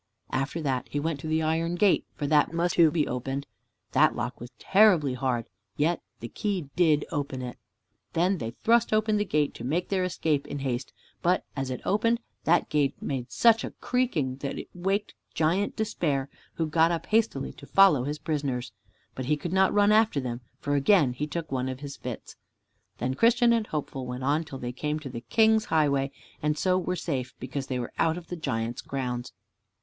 After that he went to the iron gate, for that must be opened too. That lock was terribly hard, yet the key did open it. Then they thrust open the gate to make their escape in haste, but, as it opened, that gate made such a creaking that it waked Giant Despair, who got up hastily to follow his prisoners, but he could not run after them, for again he took one of his fits. Then Christian and Hopeful went on till they came to the King's highway and so were safe, because they were out of the giant's grounds.